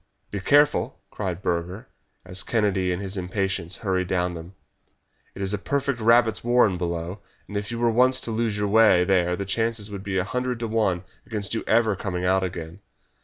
"Be careful!" cried Burger, as Kennedy, in his impatience, hurried down them. "It is a perfect rabbits' warren below, and if you were once to lose your way there the chances would be a hundred to one against your ever coming out again.